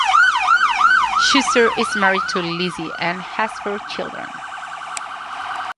Schuster is married to Lizzie and has four children.